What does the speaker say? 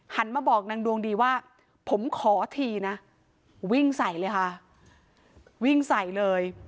มาบอกนางดวงดีว่าผมขอทีนะวิ่งใส่เลยค่ะวิ่งใส่เลย